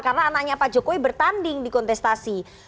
karena anaknya pak jokowi bertanding di kontestasi